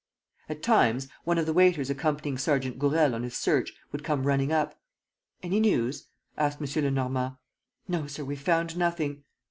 At times, one of the waiters accompanying Sergeant Gourel on his search would come running up. "Any news?" asked M. Lenormand. "No, sir, we've found nothing."